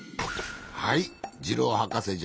はいジローはかせじゃ。